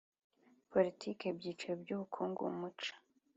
politiki ibyiciro by ubukungu umuco